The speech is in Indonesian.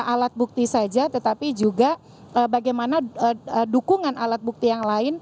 alat bukti saja tetapi juga bagaimana dukungan alat bukti yang lain